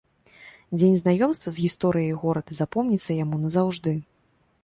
Дзень знаёмства з гісторыяй горада запомніцца яму назаўжды.